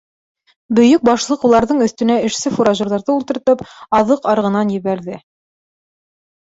Бөйөк Башлыҡ уларҙың өҫтөнә эшсе-фуражерҙарҙы ултыртып, аҙыҡ арғынан ебәрҙе.